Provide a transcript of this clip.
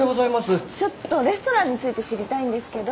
ちょっとレストランについて知りたいんですけど。